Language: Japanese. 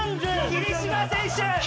霧島選手。